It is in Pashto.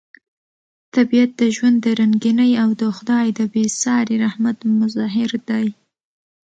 طبیعت د ژوند د رنګینۍ او د خدای د بې ساري رحمت مظهر دی.